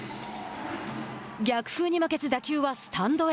逆風に負けず打球はスタンドへ。